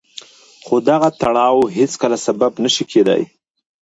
خو دغه تړاو هېڅکله سبب نه شي کېدای.